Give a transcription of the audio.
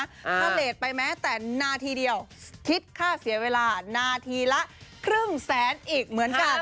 ถ้าเลสไปแม้แต่นาทีเดียวคิดค่าเสียเวลานาทีละครึ่งแสนอีกเหมือนกัน